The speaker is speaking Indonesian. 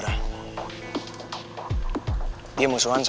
jadi berasa biasa